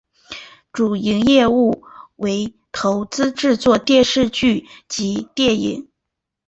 主营业务为投资制作电视剧以及电影。